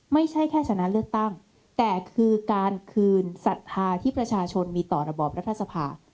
ไม่ใช่แค่ชนะเลือกตั้งแต่คือการคืนศรัทธาที่ประชาชนมีต่อระบอบรัฐสภา